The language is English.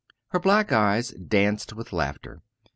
Her black eyes danced with laughter.